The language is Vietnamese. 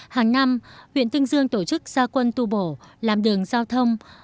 hàng năm huyện tương dương tổ chức gia quân tu bổ làm đường giao thông